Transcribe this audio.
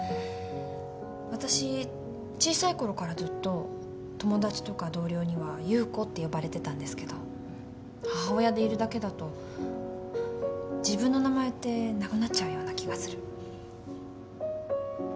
わたし小さいころからずっと友達とか同僚には侑子って呼ばれてたんですけど。母親でいるだけだと自分の名前ってなくなっちゃうような気がする。